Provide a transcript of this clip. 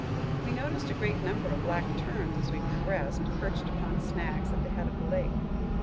We noticed a great number of black terns as we progressed, perched upon snags at the head of the lake.